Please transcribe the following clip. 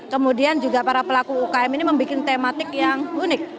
kemudian juga para pelaku ukm ini membuat tematik yang unik